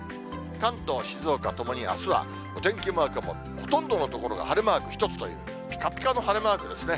関東、静岡、ともにあすはお天気マークもほとんどの所が晴れマーク一つというぴかぴかの晴れマークですね。